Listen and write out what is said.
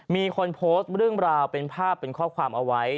มีคนโพสต์เรื่องราวเป็นภาพเป็นข้อความเอาไว้